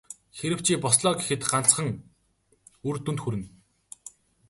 Хэрэв чи бослоо гэхэд ганцхан үр дүнд хүрнэ.